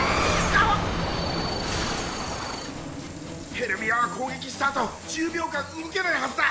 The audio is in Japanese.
ヘルミアはこうげきしたあと１０秒間動けないはずだ。